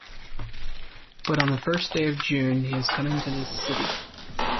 But on the first day of June he is coming to this city.